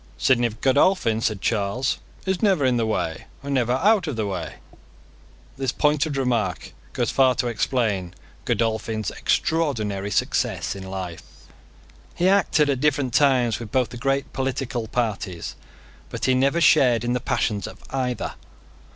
"Sidney Godolphin," said Charles, "is never in the way, and never out of the way." This pointed remark goes far to explain Godolphin's extraordinary success in life. He acted at different times with both the great political parties: but he never shared in the passions of either.